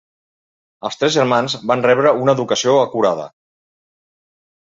Els tres germans van rebre una educació acurada.